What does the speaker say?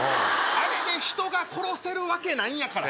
あれで人が殺せるわけないんやから。